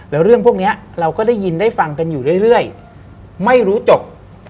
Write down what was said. แล้วเรื่องพวกนี้เราก็ได้ยินได้ฟังกันอยู่เรื่อยไม่รู้จบ